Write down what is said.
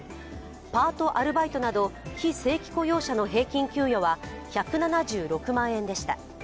パート・アルバイトなど非正規雇用者の平均給与は１７６万円でした。